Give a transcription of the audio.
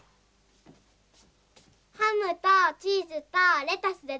ハムとチーズとレタスでどう？